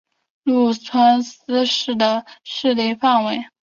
麓川思氏的势力范围。